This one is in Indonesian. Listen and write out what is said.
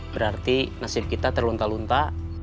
berarti nasib kita terlunta lunta